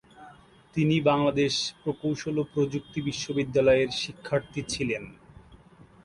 তিনি বাংলাদেশ প্রকৌশল ও প্রযুক্তি বিশ্ববিদ্যালয়ের শিক্ষার্থী ছিলেন।